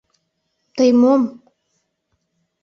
— Тый мом?